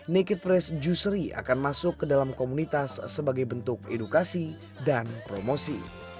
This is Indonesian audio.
naked press juicery akan masuk ke dalam komunitas sebagai bentuk edukasi dan promosi